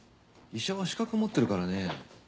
医者は資格持ってるからね。